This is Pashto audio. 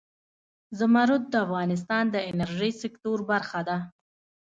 زمرد د افغانستان د انرژۍ سکتور برخه ده.